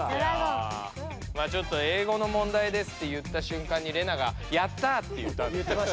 まあちょっと英語の問題ですって言ったしゅんかんにレナがやったって言ったんです。